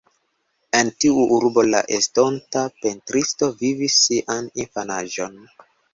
En tiu urbo la estonta pentristo vivis sian infanaĝon.